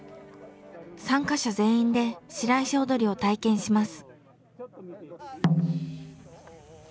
参加者全員で白石踊を体験します。